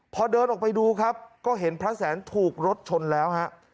พอเดินออกไปดูครับก็เห็นพระแสนถูกรถชนแล้วฮะ